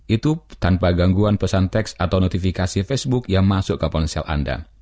itu tanpa gangguan pesan teks atau notifikasi facebook yang masuk ke ponsel anda